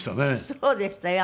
そうでしたよ